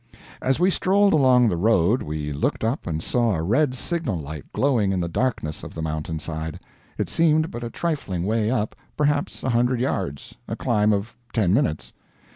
As we strolled along the road we looked up and saw a red signal light glowing in the darkness of the mountainside. It seemed but a trifling way up perhaps a hundred yards, a climb of ten minutes.